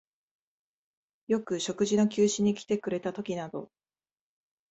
よく食事の給仕にきてくれたときなど、